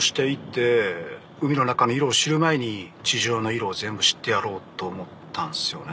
海の中の色を知る前に地上の色を全部知ってやろうと思ったんすよね。